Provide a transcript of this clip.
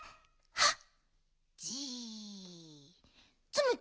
はっ！